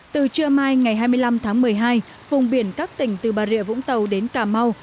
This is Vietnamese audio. từ trưa mai ngày hai mươi năm tháng một mươi hai vùng biển các tỉnh từ bà rịa vũng tàu đến cà mau